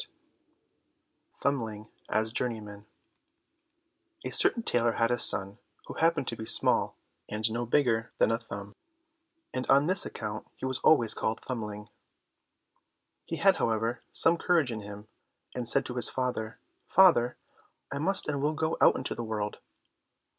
45 Thumbling as Journeyman A certain tailor had a son, who happened to be small, and no bigger than a Thumb, and on this account he was always called Thumbling. He had, however, some courage in him, and said to his father, "Father, I must and will go out into the world."